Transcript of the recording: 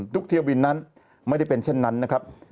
เที่ยวบินนั้นไม่ได้เป็นเช่นนั้นนะครับ